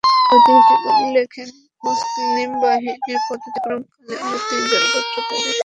ঐতিহাসিকগণ লিখেন, মুসলিম বাহিনী পথ অতিক্রমকালে আরো দুতিন গোত্র তাদের সাথে যোগ দেয়।